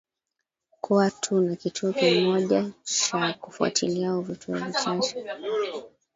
kuwa tu na kituo kimoja cha kufuatilia au vituo vichache